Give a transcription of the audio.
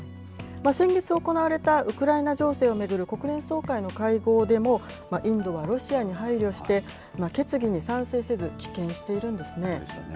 先月行われた、ウクライナ情勢を巡る国連総会の会合でも、インドはロシアに配慮して、決議に賛成せず、棄権してるんですね。